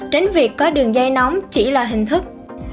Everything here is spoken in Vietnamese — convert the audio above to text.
tránh việc có đường dây nóng chỉ là hình thức